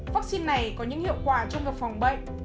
vắc xin này có những hiệu quả trong vật phòng bệnh